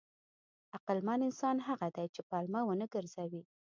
عقلمن انسان هغه دی چې پلمه ونه ګرځوي.